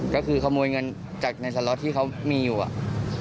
ก็คือขโมยเงินจากในสล็อตที่เขามีอยู่อ่ะ